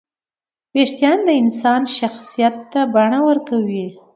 وېښتيان د انسان شخصیت ته بڼه ورکوي.